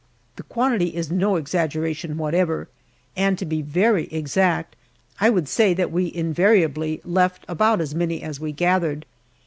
The quantity is no exaggeration whatever and to be very exact, I would say that we invariably left about as many as we gathered.